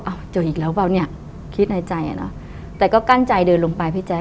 เจออีกแล้วเปล่าเนี่ยคิดในใจอ่ะเนอะแต่ก็กั้นใจเดินลงไปพี่แจ๊